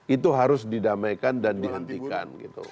itu harus didamaikan dan dihentikan